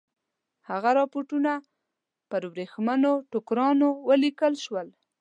هغه رپوټونه پر ورېښمینو ټوکرانو ولیکل شول.